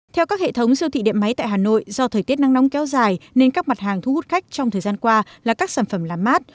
theo các hệ thống siêu thị điện máy tại hà nội do thời tiết nắng nóng kéo dài nên các mặt hàng thu hút khách trong thời gian qua là các sản phẩm làm mát